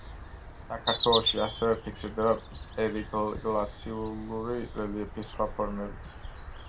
საქართველოში ასევე ფიქსირდება პერიგლაციალური რელიეფის სხვა ფორმებიც.